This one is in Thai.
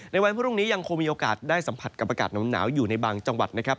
ในวันพรุ่งนี้ยังคงมีโอกาสได้สัมผัสกับอากาศหนาวอยู่ในบางจังหวัดนะครับ